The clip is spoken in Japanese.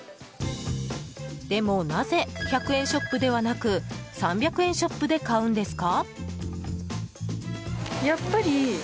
でも、なぜ１００円ショップではなく３００円ショップで買うんですか？